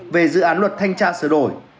về dự án luật thanh tra sửa đổi